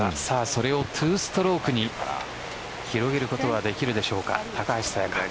それを２ストロークに広げることはできるでしょうか。